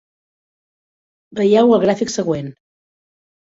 Veieu el gràfic següent: